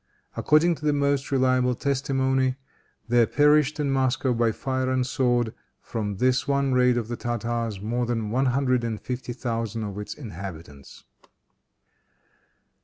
According to the most reliable testimony, there perished in Moscow, by fire and sword, from this one raid of the Tartars, more than one hundred and fifty thousand of its inhabitants.